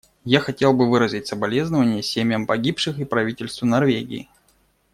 Я хотел бы выразить соболезнование семьям погибших и правительству Норвегии.